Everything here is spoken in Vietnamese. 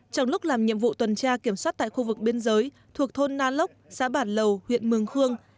trong lúc làm nhiệm vụ tuần tra kiểm soát tại khu vực biên giới thuộc thôn na lốc xã bản lầu huyện mường khương